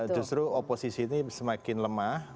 justru oposisi ini semakin lemah